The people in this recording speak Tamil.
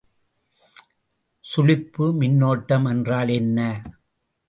சுழிப்பு மின்னோட்டம் என்றால் என்ன?